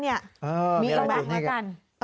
มีอะไรตุ๋นนี่กัน